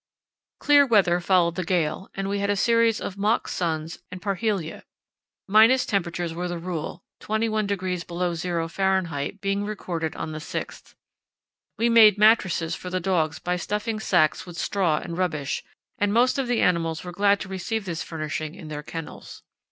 Clear weather followed the gale, and we had a series of mock suns and parhelia. Minus temperatures were the rule, 21° below zero Fahr. being recorded on the 6th. We made mattresses for the dogs by stuffing sacks with straw and rubbish, and most of the animals were glad to receive this furnishing in their kennels.